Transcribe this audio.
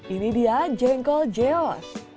ini dia jengkol jeos